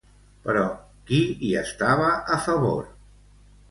Però qui hi estava a favor?